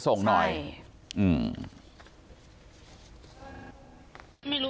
ต่างฝั่งในบอสคนขีดบิ๊กไบท์